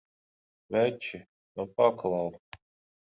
Veči, nu paklau!